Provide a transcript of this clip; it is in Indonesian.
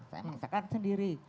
saya masakan sendiri